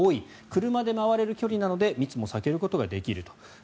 車で回れる距離なので密も避けることができると。